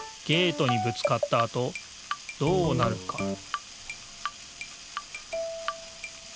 ゲートにぶつかったあとどうなるか？